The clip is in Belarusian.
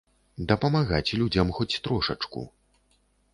Дапамагаць людзям, хоць трошачку.